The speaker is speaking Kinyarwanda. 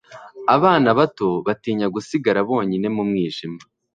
abana bato batinya gusigara bonyine mu mwijima